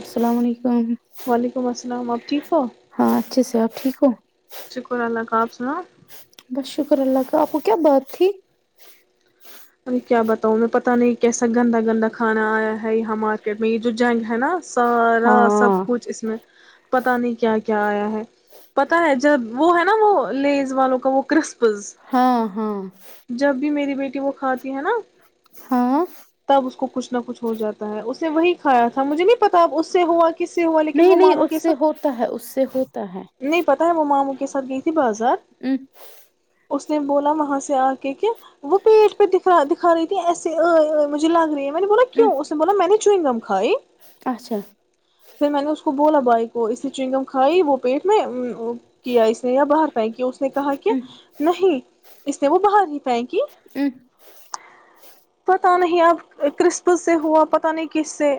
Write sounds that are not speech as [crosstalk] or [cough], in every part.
السلام علیکم وعلیکم السلام آپ ٹھیک ہو ہاں اچھے سے ٹھیک ہو شکر اللہ کاابسلام بس شکر اللہ کا آپ کو کیا بات تھی اے کیا بتاؤ میں پتہ نہیں کیسا گندا گندا کانا آیا ہے یہاں مارکیٹ میں یہ جو جائیں گے ہے نا سارا سب ہاں کچھ اس میں پتا نہیں کیا کیا آیا ہے پتا ہے جو جب وہ ہے نا وہ لیز والوں کا وہ کرسپ ہاں ہاں [inaudible] کھاتی ہے نا ہاں تب اس کو کچھ نہ کچھ ہو جاتا ہے اس نے وہی کھایا تھا مجھے نہیں پتا ا اس سے ہوا کہ نہیں نہیں اس سے ہوتا ہے اس سے ہوتا ہے سات گئی تھی بازار [inaudible] اس نے بولا وہاں سے آ کے کہ وہ پیٹ پ دکھا دکھا رہی تھی ایسے آئی مجھے لگ رہی ہے میںنے بولا ام کیوں اس نے بولا میں نے چوئییں گم کھائی اچھا پھر میں نے اس کو ب بولا بائی کو اس نے چنگم کھائی وہ پیٹ میں کیا اس نے یا باہر پائ کیا اس نے کہا کہ ام نہیں اس نے وہ باہر ہی پائ کی ام پتا نہیں اب کرسپ سے ہوا پت نہیں کس سے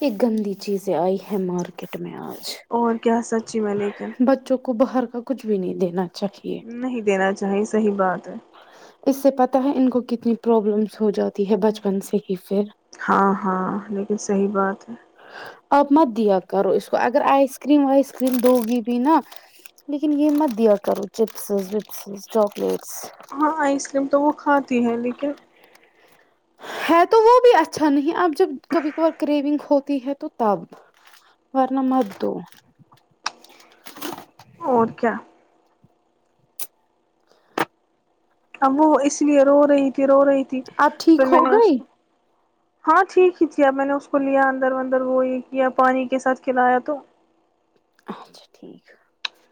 ایک گندی چیزیں آئی ہے مارکیٹ میں آج اور کیا سچی میں لیکن بچوں کو باہر کچھ بھی نہیں دینا چاہیے نہیں دینا چاہیے صحیح بات ہے اس سے پت ہے ان کو کتنی پرابلمز ہو جاتی ہے بچپن سے ہی پھر ہاں ہاں لیکن صحیح بات ہے اپ مت دیا کرو اس کو اگر آئس کریم وائس کریم دو گی بھی نا لیکن یہ مت دیا کرو چپسز وپسز چاکلیٹ ہاں آئس کریم تو وہ کھاتا ت ہیں لیکن ہے تو وہ بھی اچھا نہیں اب جب کبھی کبھار کریوننگ ہوتی ہے تو تب ورنہ مت دو اور کیا اب وہ اس لیے رو رہی تھی رو رہی تھی اب پھر ٹھیک میں ہو نے اس گئی کو ہاں ٹھیک ہی تھی اب میں نے اس کو لیا اندر ودر وہ یہ کیا پانی کے ساتھ کھلایا تو اچھا ٹھیک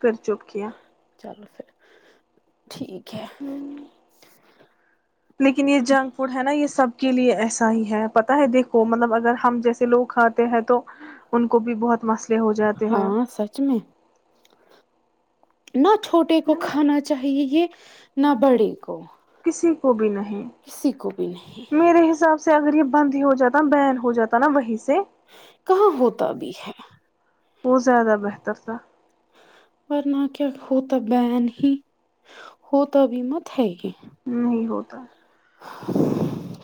پھر چپ کیا چلو پھر ٹھیک [unintelligible] لیکن یہ جنک فوڈ ہے نا یہ سب کے لیے ایسا ہی ہے پتاہ ہے دیکھو مطلب اگر ہم جیسے لوگ کھاتے ہیں تو ان کو بھی بہت مسلہ ہاں سچ میں نہ چھوٹے کو کھانا چاہیے یہ نہ بڑھے کو کسی کو بھی نہیں کسی کو بھی نہیں میرے حساب سے اگر یہ بند ہی ہو جاتا بین ہو جاتا نا وہیں سے کہاں ہوتا بھی ہے وہ زیادہ بہتر تھا ورنہ کیا ہوتا بین ہی ہو تو ابھی مت ہے یہ نہیں ہوتا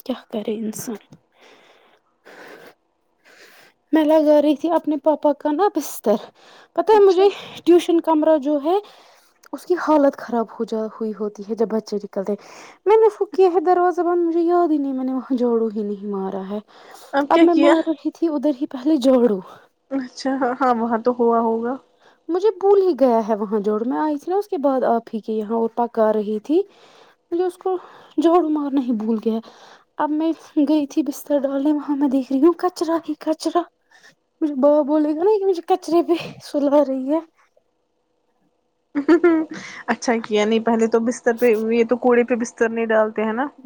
کیا کرے انسان میں لگیر تھی اپنے پاپا کاا بستر پتا ہے اچھا مجھے ٹیوشن کمرہ جو ہے اس کی حالت خراب ہو جائی ہوتی ہے جب بچے نکلتے منو سک ہے دروازہ بند یاد ہی نہیں میں نے وہاں جھاڑو ہی نہیں مارا ہے اب میں کیا مار رہی تھی ادھر ہی پہلے جوڑو اچھا ہاں ہاں وہاں تو ہوا ہوگا مجھے بھول ہی گیا ہے وہاں جوڑ میں آئی تھی نا اس کے بعد آپ ہی کی یہاں اور پکا رہی تھی مجھے اس کو جوڑ مارنا ہی بھول گیا اب میں گئی تھی بستر ڈالنے وہاں میں دیکھ رہی ہوں کچرا ہی کچرا مجھے بابا بولے گا نا کہ مجھے کچرے پہ سل با رہی ہے یعنی پہلے تو بستر پہ یہ تو کوڑے پہ بستر نہیں ڈالتا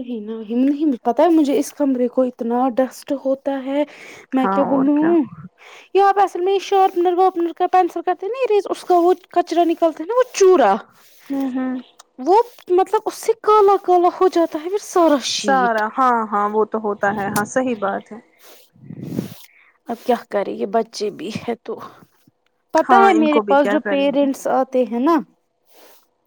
رہ ن ہم [unintelligible] پتا ہے مجھے اس کمرے کو اتنا ڈسٹ ہوتا ہے میں ہاں کیا اور بولولوں یہ پینسل میں شارپنر وارپنر کا پینسل کرتے نا اریز اس کا وہ کچرا نکلتا ہے نا وہ چورا ہاں ہاں وہ مطلب اس سے کالا کالا ہو جاتا تاہم [unintelligible] سارا ہاں ہاں وہ تو ہوتا ہے ہاں صحی بات ہے اب کیا کریں یہ بچے بھی ہے تو پتا ہاں ہے ان میرے کو بھی پاس کیا جو کریں گے پیرنٹس آتے ہیں نا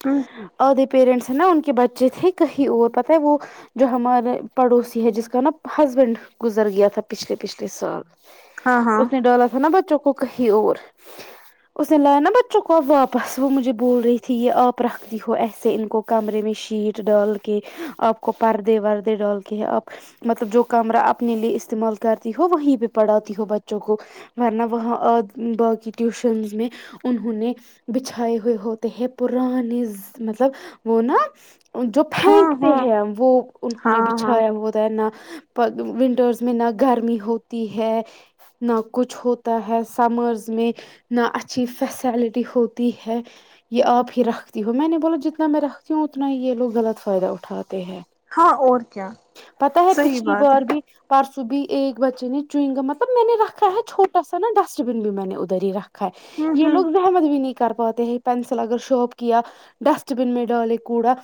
ہ اور د [unintelligible] پیرنٹس ہیں نا ان کے بچے تھے کہیں اور پت ہے وہ جو ہمارے پڑوسی ہے جس کا نا ہسبینڈ گزر گیا تھا پچھلے پچھلے سال ہاں ہاں اس نے ڈرالا تھا نا بچوں کو کو کہیں اور اس نے لایا نا بچوں کوب واپس وہ مجھے بول رہی تھی یہ آپ رکھ دی ہو ایسے ان کو کمرے میں شیٹ ڈال کے آپ کو پردے دے ڈال کے ہے آپ مطلب جو کمرہ اپنے لیے استعمال کرتی ہو وہیں پہ پڑھاتی ہو بچوں کو ورنہ وہاں باقی ٹیوشنس میں انہوں نے بچھائے ہوئے ہوتے ہیں پرانے مطلب وہ نا جو ہاں پک [unintelligible] ہاں ہیں وہ انہوں نے ہاں ہاں بچھایا ہوتا ہے نا ونٹرس میں نہ گرمی ہوتی ہے نہ کچھ ہوتا ہے سمرز میں نہ اچھی فیسلٹی ہوتی ہے یہ آپ ہی رکھتی ہو میں نے بولا جتنا میں رکھتی ہوں اتنا ہی یہ لوگ غلط فائدہ ہو ہاں اور کیا پتا ہے صحیح پچھلی بات ہے بار بھی پرسو بھی ایک بچے نے چوئیں گا مطلب میں نے رکھا ہے چھوا سا نا ڈسٹ بن بھی میں نے ادھر ہی رکھا ہے یہ لوگ ہ مدبنی کر پاتے ہیں پینسل اگر شارپ کیا ڈسٹ بن میں ڈالے کوڑا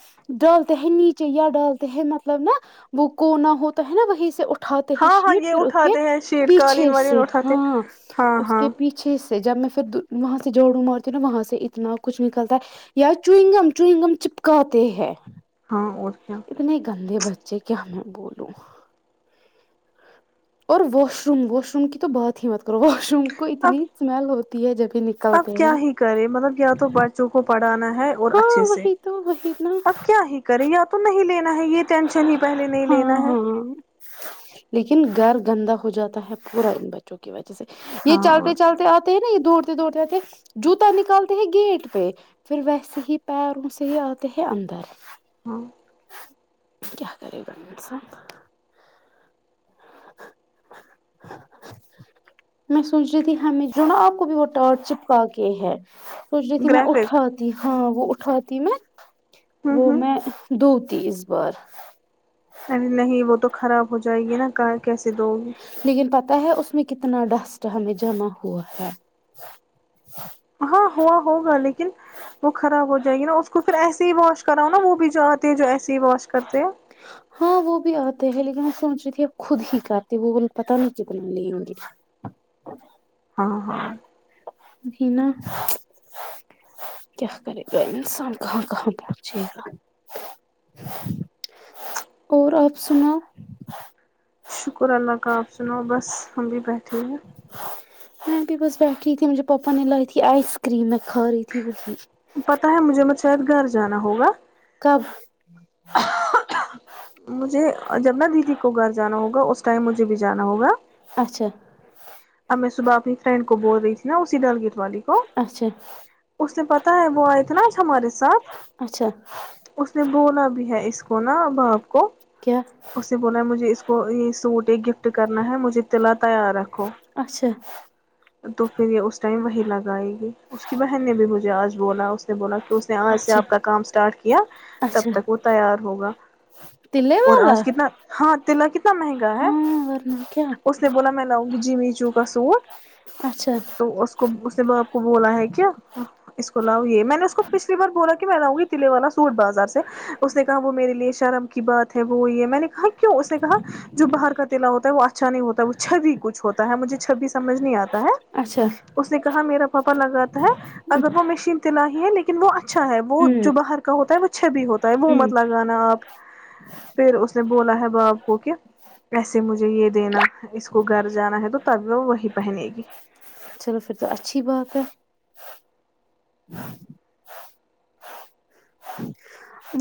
ڈالتے ہیں نیچے چیا ڈالتے ہیں مطلب نا وہ کونا ہوتا ہے نا وہیں سے اٹھ اٹھاتے ہیں ہاں ہاں شیٹ یہ پھر اس کے اٹھاتے ہیں شیٹ پیچھے قالین والین سے اٹھاتے ہاں ہاں اس ہاں کے پیچھے سے جب میں پھر وہاں سے جوڑو مارتی ہوں نا وہاں سے اتنا کچھ نکلتا ہے یا چوئنگم چوئگم چپکاتے ہے ہاں اور کیا اتنے گندے بچے کہ ہمیں بولو اور واش روم واش روم کی تو بات ہی مت کرو واش روم کوئی اب اتنی سمل ہوتی ت ہے جبہ اب کیا ہی کرے مطلب یا تو بچوں کو پڑھانا ہے اور ہاں اچھے سے وہی تو وہی نا اب کیا ہی کرے یا تو نہیں [unintelligible] ہے یہ ٹینشن ہی پہلے نہیں ہاں لینا ہے ہاں لیکن گھر گندا ہو جاتا ہے پورا دن بچوں کی وجہ یہ ہاں اور چلتے کیا چلتے آتے ہیں نا یہ دور دوڑتےتے جوتا نکالتے ہیں گیٹ پہ پھر ویسے ہی پیروں سے ہی آتے ہیں اندر ہاں کیا کرے گ صاح میں سوچ رہی تھی ہم جو نا آپ کو بھی وہ ٹار چپکا کے ہے [inaudible] سچ رہی تھی میں گرافک اٹھات ت ہاں وہ اٹھاتی میں ہوں وہ ہوں میں دو تیس بار ارے نہیں وہ تو خراب ہو جائے گی نا کہ کیسے دو گ لیکن پتا ہے اس میں کتنا ڈسٹ ہمیں جمع ہوا ہے ہاں ہوا ہوگا لیکن وہ خراب ہو جائے گی نا اس کو پھر ایسے ہی واش کراؤ نا وہ بھی جو آتے ہے جو ایسے ہی واش کرتے ہیں ہاں وہ بھی آتے ہیں لیکن وہ سوچ رہی تھی ا خود ہی کہتی وہ بول پت نہیں کتل میں لوں گی ہاں ہاں [inaudible] نا کیا کرے گا انسان کہاں کہاں پہنچے گا اور آپ سنا شکر اللہ کا آپ سنو بس ہم بھی بیٹھے ہیں میں بھی بس بیٹھیی تھی مجھے پاپا نے لائی تھی آئس کریم میں کھا رہی تھی بی [inaudible] پتا ہے مجھے متھ شید گار جانا ہوگا ہ [inaudible] مجھے جب ن دیدی کو گھر جانا ہوگا اس ٹائم مجھے بھی جانا ہوگا اچھا سوبای [inaudible] فرینڈ کو بول رہی تھی نا اسی ڈل گیٹ والی کو اچھا اس نے پتا ہے وہ آئے اتناج ہمارے ساتھ اچھا اس نے بولا بھی ہے اس کو نا باپ کو کیا اس نے بولا مجھے اس کو کو یہ سوٹ ایک گفٹ کرنا ہے مجھے تلا تیار رکھو اچھا تو پھر یہ اس ٹائم وہی لگائے گی اس کی بہن نے بھی مجھے آج بولا اس بولا کہ اس نے آج سے اچھا آپ کا کام اسٹارٹ کیا تب اچھا تک وہ تیار ہوگا تلے اور والا آج کتنا ہاں تنا کی مہنگا ہے ہاں ورنہ کیا اس نے بولا میں لاؤ جی چ ک سوٹ اچھا [inaudible] تو اس کو اس بپ کو بولا ہے کیا اس کو لاؤ یہ میں نے اس کو پچھلی بار بولا کہ میں لاؤں گی تلعے والا سوٹ بازار سے اس نے کہا وہ میرے لیے شرم کی بات ہے وہ ہے میں نے کہا کیوں اس نے کہا جو باہر کا تع ہوتا ہے وہ اچھا نہیں ہوتا ہے وہ چھ بھی کچھ ہوتا ہے مجھے چھب بھی سمجھ نہیں آتا ہے اچھا اس نے کہا میرا ا لگت ہے اگر وہ مشین [inaudible] نا ہی ہے لیکن وہ اچھا ہے وہ ہوں جو باہر کا ہوتا ہے وہ [inaudible] اچھا بھی ہوتا وہ ہوں مت لگانا آپ پھر اس نے بولا ہے باپ کو کہ ایسے مجھے یہ دینا اس کو گھر جانا ہے تو وہ وہی پہنے گی چلو پھر تو اچھی بات ہے [inaudible]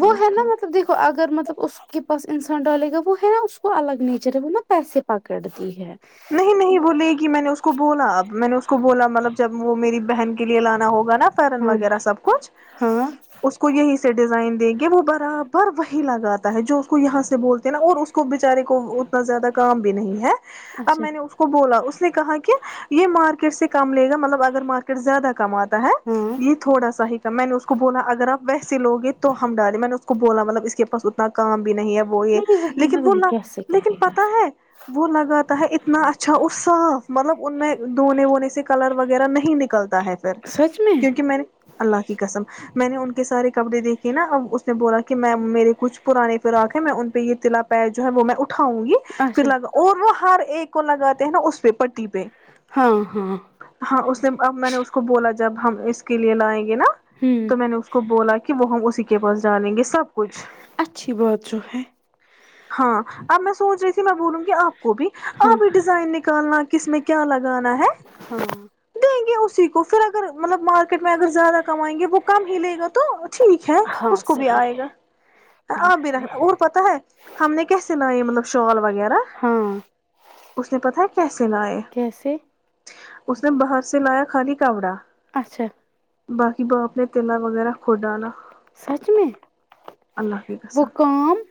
وہ اور ہے نا کیا مطلب دیکھو اگر مطلب اس کے پاس انسان ڈالے گا وہ ہے نا اس کو الگ نیچر ہے وہ نا پیسے پکڑ دی ہے نہیں نہیں وہ لے گی میں نے اس کو بولا اب میں نے اس کو بولا مطلب جب وہ میری بہن کے لیے لانا ہوگا نا فرن ہاں وغیرہ سب کچھ ہاں اس کو یہی سے ڈیزائن دیں گے وہ برابر وہی لگاتا ہے جو اس کو یہاں سے بولتے ہیں نا اور اس کو بےچارے کو اتنا زیادہ کام بھی نہیں ہے اب اچھا میں نے اس کو بولا اس نے کہا کہ یہ مارکیٹ سے کم لے گا مطلب اگر مارکیٹ زیادہ کماتا ہے ہاں یہ تھوڑا سا ہی کم میں نے اس کو بولا اگر آپ سے لوگے تو ہم ڈالے میں نے اس کو کو بولا مطلب اس کے پاس اتنا کام بھی نہیں ہے وہ یہ نہیں وہی لیکن نہ وہ وہی کیسے لیکن کرے گا پتا ہے وہ لگا اتنا اچھا اور صاف مطلب ان میں دھونے وونے سے کلر وغیرہ نہیں نکلتے ہے پھر کیونکہ میں نے اللہ کی قسم میں نے ان کے سارے کپڑے دیکھے نا ا اس نے بولا کہ میں میرے کچھ [unintelligible] پ پرانے پر آاک ہیں میں ان پہ یہ [unintelligible] تلا پ ہے جو ہے وہ میںٹ [unintelligible] اٹھاؤں گی پھر اچھا لگا اور وہ [unintelligible] ایک کو لگاتے ہیں نا اس پہ [unintelligible] پٹی پہ ہاں ہاں ہاں اس نے اب میں نے اس کو بولا جب ہم اس کے لیے لائیں گ نا ہوں تو میں نے اس کو بولا کہ وہ ہم اس کے پاس جانیں گے [unintelligible] سب کچھ اچھی بات جو ہے ہاں اب میں سوچ رہی تھی میں بولوں گی آپ کو بھی ہاں آپ بھی ڈیزائن نکالنا اسس میں کیا لگا گا ہے ہاں دیں گے اس کوھر اگر مطلب مارکیٹ میں اگر زیادہ کائیں گے وہ کم ہی لے گا تو ٹھیک ہے ہاں اس کو بھی صحیح آئے ہے گا نہیں آپ بھی رنا صحیح اور پتا ہے ہم نے کیسے لائے مطلب شال وغیرہ ہاں [inaudible] اس نے پتہ ہے کیسے لائے کیسے [unintelligible] اس نے باہر سے لایا خالی کاوڑا اچھا باقی باپ نے تلہ وغیرہ کھ ڈالا سچ میں اللہ کے گس وہ کام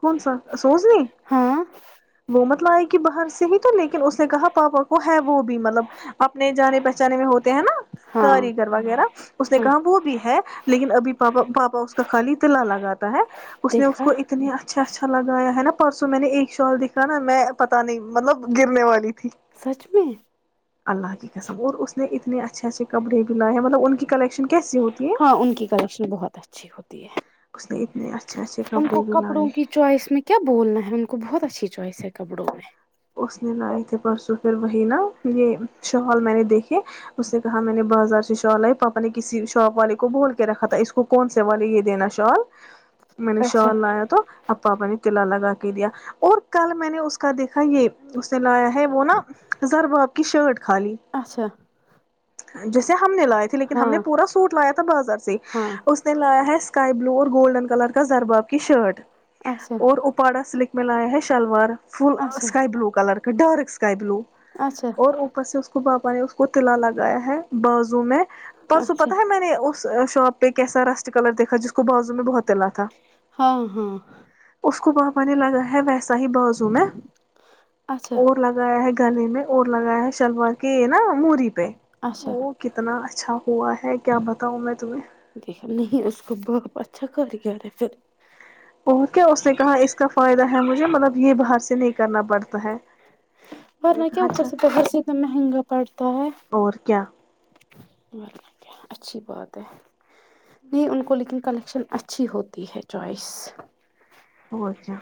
کون سا سوز نہیں ہاں وہ مطلب آ ہے کہ باہر سے صی تو لیکن اس کہا پاپا کو ہے وہ بھی مطلب اپنے جانے پہچان میں ہوتے ہیں نا ہاں کاریگر وغیرہ اس نے ہاں کہا وہ بھی ہے لیکن ابھی پاپا پاپا اس کا خالی تیلا لگا ہاوتا ہے اس نے اس دیکھا کو اتنی اچھے اچھا اچھا لگایا ہے نا پرسوں میں نے ایک شال دکھا نا میں پت نہیں مطلب گرنے والی تھی سچ میں اللہ کی قسم اور اس نے اتنے اچھے اچھے کپڑے بھی لائے ہیں مطلب ان کی کلیکشن کیسی ہوتی ہے ہاں ان کی کلیکشن بہت اچھی ہوتی ہے اس نے اتنے اچھے اچھے ان کو کپڑے بھی کپڑوں لائے کی چوائس میں کیا بولنا ہے ان کو بہت اچھا اچھی چوائس ہے کپڑوں میں اس نے لائے تھے پرسوں پھر وہی نا یہ شہال میں نے دیکھی اس نے کہا میں نے بازار سے شال آئی پاپا نے کسی شاپ والے کو بول کے رکھا تھا اس کو کون سے والے یہ دینا شال میں نے اچھا شال لایا تو ااپا نے تلا لگا کے دیا اور کل میں نے اس کا دیکھ یہ اس نے لایا ہے وہ نا زربات کشرٹ اچھا جیسے ہم نے لائے تھے لیکن ہم نے ہاں پورا سوٹ لایا تھا بازار سے ہاں اس نے لایا ہے اسکائی بلو اور گولڈن کلر کا زرباب کی شرٹ اچھا اور ا پاڑا سلک میںلاائے ہے شلوار فل اچھا اسکائی بلو کلر ڈور اسکائی بلو اچھا اور اوپر سے اس کو باپ اس کو ت للا لگا گیا ہے بازو میں پرسو اچھا پتا ہے میں نے اس شاپ تو کی سا رسٹ کل دیکھا ج بازو میں بہت تلا تھا ہاں ہاں اس کو بپا نے لگا ہے ویسا ہی بازو میں اچھا اور لگایا ہے گلے میں اور لگایا ہے شلوار کے نا موری پہ اچھا وہ کتناچا چھا ہوا ہے کیا بتاؤں میں تمہیں دیکھا نہیں اس کو باپ اچھا کر گ رہے پھر پہنچ کیا اس نے کہا اس کا فائدہ ہے مجھے مطلب یہ باہر سے نہیں کرنا پڑتا ہے میں نے ورنہ کیا کہا اوپر اچھا سے پہس اتنا مہنگا پڑتا ہے اور کیا اچھی بات ہے نہیں ان کو لیکن کلیکشن اچھی ہوتی ہے چوائس او اچھا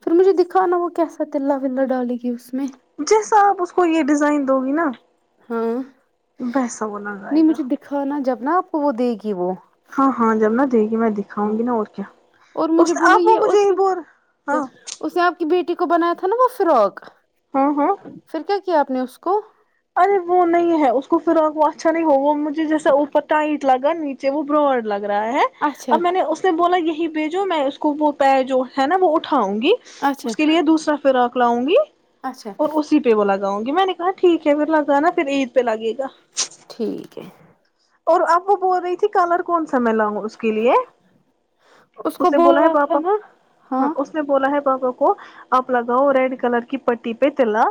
پھر مجھے دکھا نا وہ کیسا ت ولا ڈالے گی اس میں جس آپ اس کو یہ ڈ دو گی نا [unintelligible] ہاں [unintelligible] ویسا وہ لگائے نہیں گا مجھے دکھا نا جب [unintelligible] نہ پ وہو دک وہ [unintelligible] ہاں ہاں جامنا [unintelligible] د کہ میں دکھاؤں گی نا اور کیا اور اس مجھے بولو آپ یہ مجھے اس میں کیا ہاں اس نے آپ کی بیٹی کو بنایا تھا نا وہ فرک ہاں ہاں [unintelligible] پھر کیا [unintelligible] کیا آپ نے اس کو ارے وہ نہیں ہے اس کو فرااک وہ اچھا نہیں ہو وہ مجھے جیسا اوپر ٹائٹ لگا نیچے وہ براڈ لگا رہا ہے اچھا اب میں نے اس نے بولا یہ ہی بھیجو میں اس کو وہ پ جو ہے نا وہ اٹھا ؤں گی اچھا اس کے لیے دوسرا [unintelligible] فراق لاؤں گی اچھا [unintelligible] اور اسی پہ وہ ل [unintelligible] یوزیبل ٹیگ گاںی میں نے کہا ٹھیک [unintelligible] ھر لگانا پھر عید پہ لگے گا [unintelligible] ٹھیک ہے [unintelligible] اور آپ وہ بول رہی تھی کلر کون سا [unintelligible] میں میں لاؤں گا اس کے لیے کو اس نے بولا ہے بولنا تھا پاپا نا ہاں اس نے بولا ہے پا کو آپ لگاؤ ریڈ کلر کی پٹی پہ [unintelligible] تلا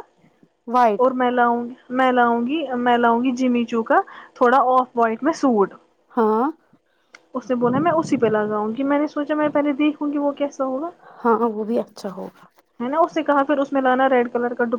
وائٹ اور میں ل آؤں گی [unintelligible] میں لاؤں گی میں لاؤںی جمی چوکا تھوڑا اور [unintelligible] وائٹ میں سوٹ ہاں اس نے بولا میں اسی پہ لگاؤں گی میں نے سوچا میں پہلے دیکھوں گی وہ کیسا ہوگا ہاں وہ بھی اچھا ہوگا ہے نا اس سے کہاھر اس میں لانا ریڈ کلر کا ڈو